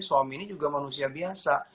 suami ini juga manusia biasa